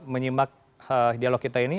menyimak dialog kita ini